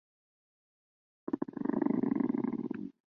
任何人不得加以任意逮捕、拘禁或放逐。